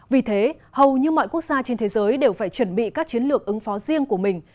vì thế hầu như mọi quốc gia trên thế giới đều phải chuẩn bị các chiến lược ứng phó riêng của mình